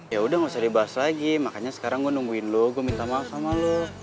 ya udah gak usah dibahas lagi makanya sekarang gue nungguin lo gue minta maaf sama lo